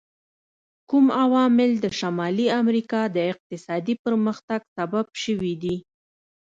کوم عوامل د شمالي امریکا د اقتصادي پرمختګ سبب شوي دي؟